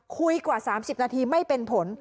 คุยกว่า๓๐นาทีไม่เป็นผล